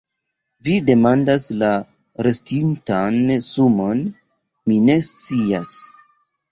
Vi demandas la restintan sumon, mi ne scias.